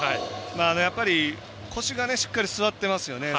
やっぱり、腰がしっかり据わってますよね。